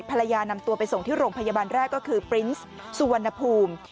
นำตัวไปส่งที่โรงพยาบาลแรกก็คือปรินส์สุวรรณภูมิ